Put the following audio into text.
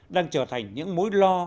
đang trở thành những mối lo